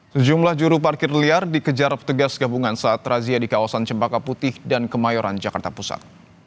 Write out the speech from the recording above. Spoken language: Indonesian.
sejumlah juru parkir liar dikejar petugas gabungan saat razia di kawasan cempaka putih dan kemayoran jakarta pusat